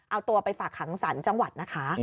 เอาตัวไปฝากขังสารจังหวัดนะคะ